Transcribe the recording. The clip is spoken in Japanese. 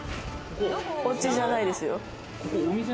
おうちじゃないですよ。